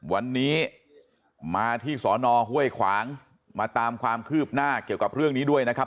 วันนี้มาที่สอนอห้วยขวางมาตามความคืบหน้าเกี่ยวกับเรื่องนี้ด้วยนะครับ